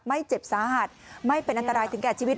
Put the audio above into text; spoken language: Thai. ไม่เจ็บสาหัสไม่เป็นอันตรายถึงแก่ชีวิต